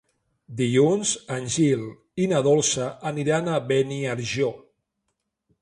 Dilluns en Gil i na Dolça aniran a Beniarjó.